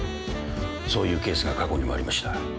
そういうケースが過去にもありました。